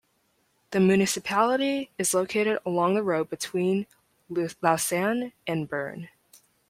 The municipality is located along the road between Lausanne and Bern.